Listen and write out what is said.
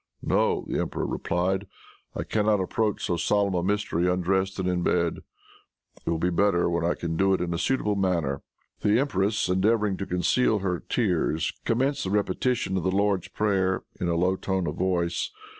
"No!" the emperor replied. "I can not approach so solemn a mystery undressed and in bed. It will be better when I can do it in a suitable manner." The empress, endeavoring to conceal her tears, commenced the repetition of the Lord's prayer, in a low tone of voice.